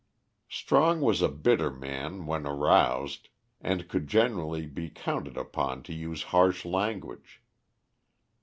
Strong was a bitter man when aroused, and could generally be counted upon to use harsh language.